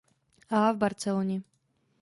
A. v Barceloně.